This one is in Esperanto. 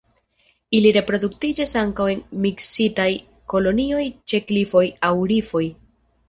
Ili reproduktiĝas ankaŭ en miksitaj kolonioj ĉe klifoj aŭ rifoj.